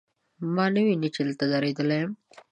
ما نه ویني، چې دلته دریدلی یم